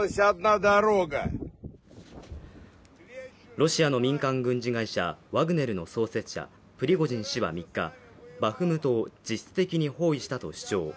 ロシアの民間軍事会社ワグネルの創設者、プリゴジン氏は３日、バフムトを実質的に包囲したと主張。